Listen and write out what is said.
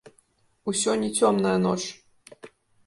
Усё не цёмная ноч.